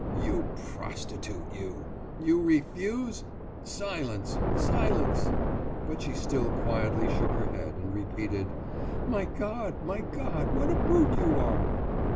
»You prostitute, you! You refuse! Silence! Silence!« But she still quietly shook her head and repeated: »My God! My God! What a brute you are.